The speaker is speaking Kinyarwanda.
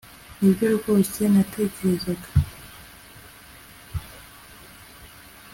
nibyo rwose natekerezaga